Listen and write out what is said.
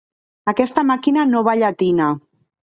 Aquesta màquina no va llatina.